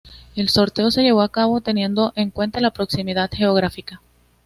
El sorteo se llevó a cabo teniendo en cuenta la proximidad geográfica.